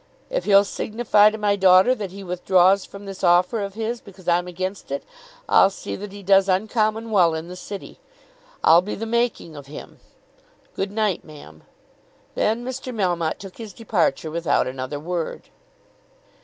If he'll signify to my daughter that he withdraws from this offer of his, because I'm against it, I'll see that he does uncommon well in the city. I'll be the making of him. Good night, ma'am." Then Mr. Melmotte took his departure without another word.